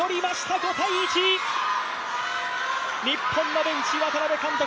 日本のベンチ、渡辺監督、